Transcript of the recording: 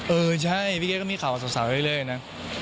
เออใช่พี่เก๊ก็มีข่าวสาวเรื่อยนะ